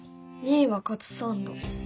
２位はカツサンド。